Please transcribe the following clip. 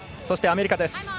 そしてアメリカです。